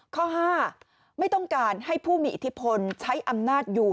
ข้อ๕ไม่ต้องการให้ผู้มีอิทธิพลใช้อำนาจอยู่